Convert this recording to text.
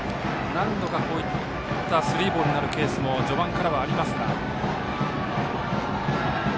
何度か、このようにスリーボールになるケースも序盤からはありますが。